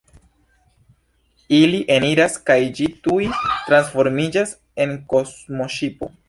Ili eniras kaj ĝi tuj transformiĝas al kosmoŝipo.